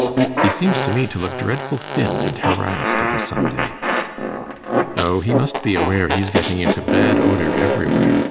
He seems to me to look dreadful thin an' harassed of a Sunday.' 'O, he must be aware he's getting into bad odour everywhere.